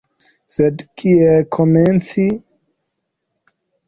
Sed kiel komenci?